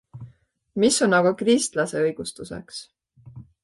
Mis on aga kristlase õigustuseks?